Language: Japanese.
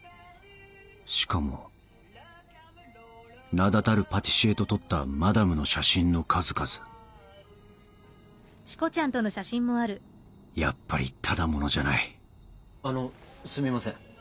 しかも名だたるパティシエと撮ったマダムの写真の数々やっぱりただ者じゃないあのすみません。